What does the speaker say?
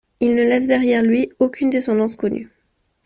Il ne laisse derrière lui aucune descendance connue.